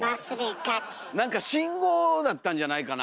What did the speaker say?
なんか信号だったんじゃないかな。